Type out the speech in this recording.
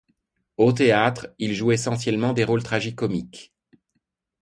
Au théâtre, il joue essentiellement des rôles tragicomiques.